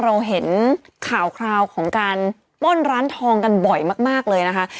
เราเห็นข่าวคราวของการปล้นร้านทองกันบ่อยมากเลยนะคะ